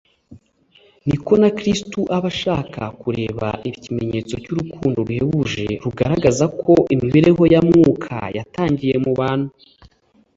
, ni ko na Kristo aba ashaka kureba ikimenyetso cy’urukundo ruhebuje, rugaragaza ko imibereho ya Mwuka yatangiye muntu